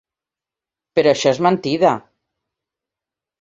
Però això és mentida.